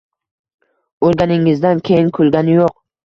Oʻlganingizdan keyin kulgani yoʻq.